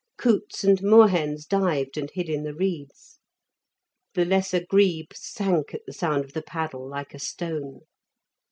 Coots and moorhens dived and hid in the reeds. The lesser grebe sank at the sound of the paddle like a stone.